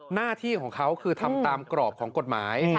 หน้าที่ของเขาคือทำตามกรอบของกฎหมาย